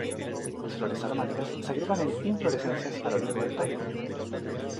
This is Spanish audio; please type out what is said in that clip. Las flores aromáticas se agrupan en inflorescencias a lo largo del tallo.